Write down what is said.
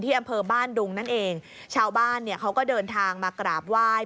อำเภอบ้านดุงนั่นเองชาวบ้านเนี่ยเขาก็เดินทางมากราบไหว้